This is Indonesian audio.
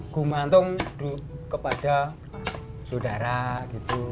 gumantung kepada saudara gitu